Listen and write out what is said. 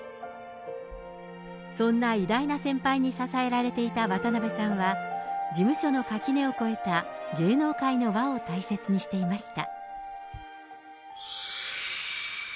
そんな偉大な先輩に支えられていた渡辺さんは、事務所の垣根を越えた芸能界の輪を大切にしていました。